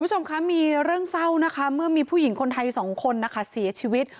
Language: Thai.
คุณผู้ชมคะมีเรื่องเศร้านะคะเมื่อมีผู้หญิงคนไทยสองคนนะคะเสียชีวิต